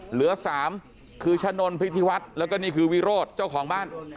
เหลือ๓คือชะนนพิธีวัฒน์แล้วก็นี่คือวิโรธเจ้าของบ้าน